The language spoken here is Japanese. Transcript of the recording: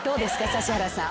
指原さん。